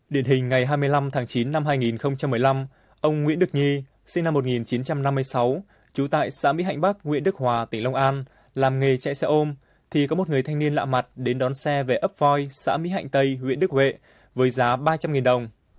điển hình ngày hai mươi năm tháng chín năm hai nghìn một mươi năm ông nguyễn được nhi sinh năm một nghìn chín trăm năm mươi sáu trú tại xã mỹ hạnh bắc huyện đức hòa tỉnh long an làm nghề chạy xe ôm thì có một người thanh niên lạ mặt đến đón xe về ấp voi xã mỹ hạnh tây huyện đức huệ với giá ba trăm linh đồng